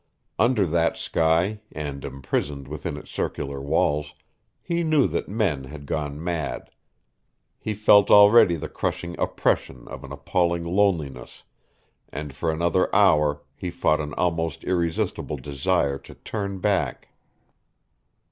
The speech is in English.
Under that sky, and imprisoned within its circular walls, he knew that men had gone mad; he felt already the crushing oppression of an appalling loneliness, and for another hour he fought an almost irresistible desire to turn back.